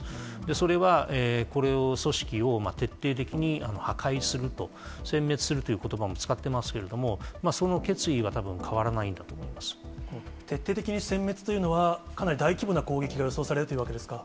それは、これを組織を徹底的に破壊すると、せん滅するということばも使ってますけれども、その決意はたぶん変わらないんだと思い徹底的にせん滅というのは、かなり大規模な攻撃が予想されるというわけですか。